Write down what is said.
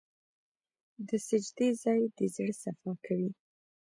د سجدې ځای د زړه صفا کوي.